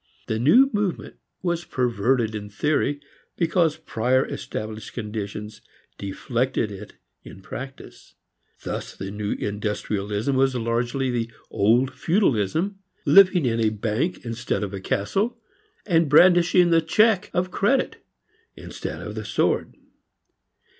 The new movement was perverted in theory because prior established conditions deflected it in practice. Thus the new industrialism was largely the old feudalism, living in a bank instead of a castle and brandishing the check of credit instead of the sword.